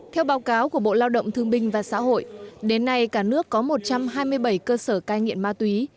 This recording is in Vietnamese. theo báo cáo của bộ lao động thương binh và xã hội đến nay cả nước có một trăm hai mươi bảy cơ sở cai nghiện ma túy